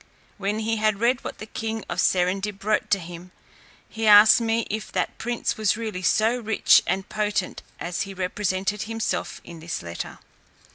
When he had read what the king of Serendib wrote to him, he asked me, if that prince were really so rich and potent as he represented himself in his letter?